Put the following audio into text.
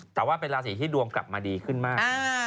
แต่ว่าเป็นราศีที่ดวงกลับมาดีขึ้นมาก